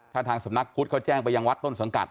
ถ้าทางสำนักพุทธเขาแจ้งไปยังวัดต้นสังกัด